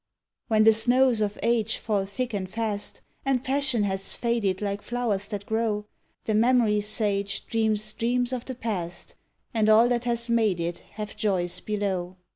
When the snows of age fall thick and fast, and passion has faded like flowers that grow, The memory sage dreams dreams of the past and all that has made it have joys below.